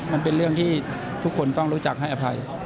มันเป็นเรื่องที่ทุกคนต้องรู้จักให้อภัย